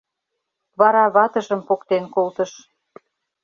Вара ватыжым поктен колтыш.